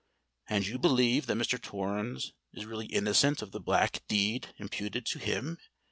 "And you believe that Mr. Torrens is really innocent of the black deed imputed to him?"